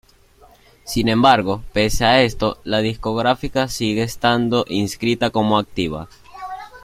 Sin embargo, pese a esto, la discográfica sigue estando inscrita como "activa".